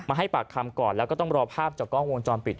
ให้ปากคำก่อนแล้วก็ต้องรอภาพจากกล้องวงจรปิด